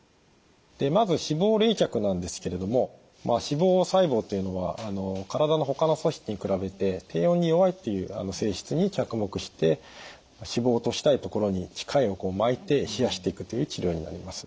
でまず脂肪冷却なんですけれども脂肪細胞というのは体のほかの組織に比べて低温に弱いっていう性質に着目して脂肪を落としたいところに機械を巻いて冷やしていくという治療になります。